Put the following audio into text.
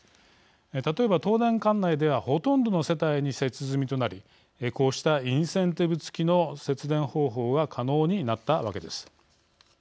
例えば、東電管内ではほとんどの世帯に設置済みとなりこうしたインセンティブ付きの節電方法が可能になったわけです。